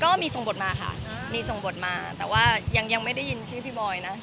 ก็มีส่งบทมาค่ะมีส่งบทมาแต่ว่ายังไม่ได้ยินชื่อพี่บอยนะ